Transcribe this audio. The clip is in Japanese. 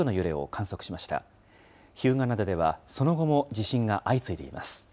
日向灘ではその後も地震が相次いでいます。